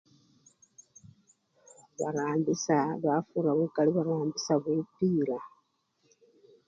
Barambisya! bafurisya lukali barambisyanga bupila.